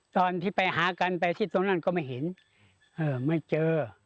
ตอนที่ไปหากันไปที่ตรงนั้นก็ไม่เห็นไม่เจอ